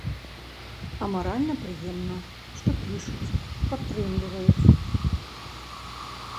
А маральна прыемна, што пішуць, падтрымліваюць.